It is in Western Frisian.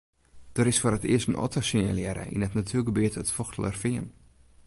Der is foar it earst in otter sinjalearre yn natuergebiet it Fochtelerfean.